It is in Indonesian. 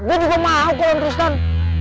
gue juga mau kalau tristan